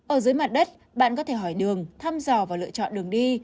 ở dưới mặt đất bạn có thể hỏi đường thăm dò và lựa chọn đường đi